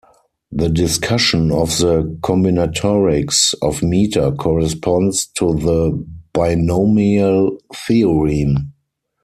The discussion of the combinatorics of meter corresponds to the binomial theorem.